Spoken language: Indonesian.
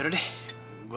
sudah kignan juga